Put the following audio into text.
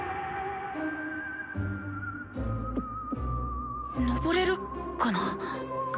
心の声のぼれるかな？